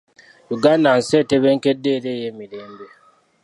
Uganda nsi etebenkedde era ey'emirembe.